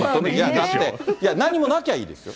だって、何もなきゃいいですよ。